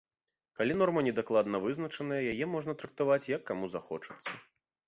Калі норма недакладна вызначана, яе можна трактаваць як каму захочацца.